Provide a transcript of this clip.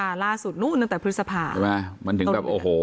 ล่าสุดนู้นตั้งแต่พฤษภาใช่ไหมมันถึงแบบโอ้โห